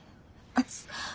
熱っ！